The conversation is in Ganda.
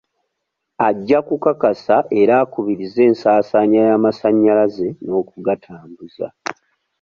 Ajja kukakasa era akubirize ensaasaanya y'amasanyalaze n'okugatambuza.